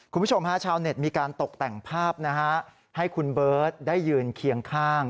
คุณผู้ชมฮะชาวเน็ตมีการตกแต่งภาพนะฮะให้คุณเบิร์ตได้ยืนเคียงข้าง